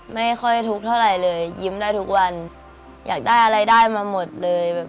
ไม่ค่อยทุกข์เท่าไหร่เลยยิ้มได้ทุกวันอยากได้อะไรได้มาหมดเลยแบบ